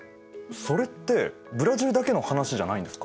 それってブラジルだけの話じゃないんですか？